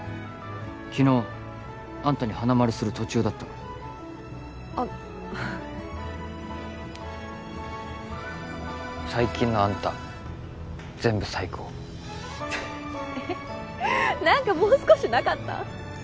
昨日あんたに花丸する途中だったからあっ最近のあんた全部最高えっ何かもう少しなかった？